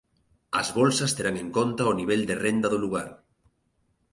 As bolsas terán en conta o nivel de renda do lugar